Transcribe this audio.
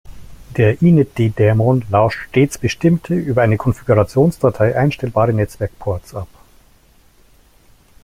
Der Inetd-Daemon lauscht stets bestimmte, über eine Konfigurationsdatei einstellbare Netzwerk-Ports ab.